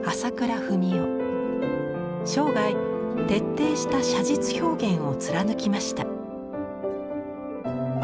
生涯徹底した写実表現を貫きました。